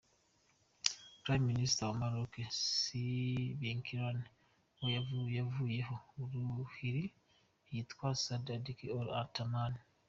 Prime minister wa Maroc si Benkirane uwo yavuyeho, urihi yitwa Saad Eddine El Othmani.